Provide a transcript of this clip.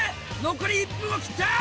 残り１分を切った！